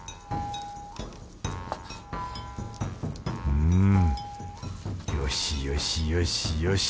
うんよしよしよしよし